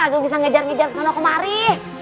gue bisa ngejar ngejar kesana kemari